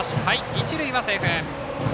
一塁はセーフ。